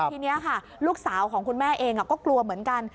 ทีนี้ค่ะลูกสาวของคุณแม่เองก็กลัวเหมือนกัน